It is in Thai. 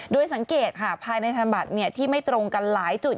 โดยสังเกตค่ะภายในธนบัตรที่ไม่ตรงกันหลายจุด